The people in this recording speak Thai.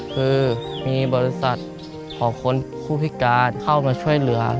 คือมีบริษัทของคนผู้พิการเข้ามาช่วยเหลือ